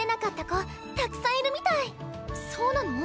そうなの？